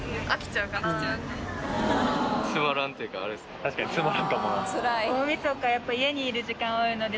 確かにつまらんかもな。